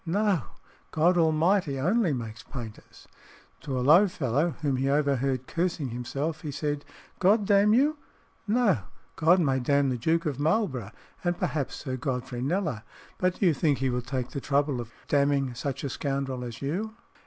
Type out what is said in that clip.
No; God Almighty only makes painters." To a low fellow whom he overheard cursing himself he said, "God damn you? No, God may damn the Duke of Marlborough, and perhaps Sir Godfrey Kneller; but do you think he will take the trouble of damning such a scoundrel as you?"